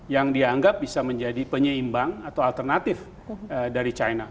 yang dianggap bisa menjadi penyeimbang atau alternatif dari china